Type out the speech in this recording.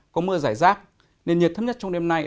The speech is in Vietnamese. có mưa rải rác nên nhiệt thấp nhất trong đêm nay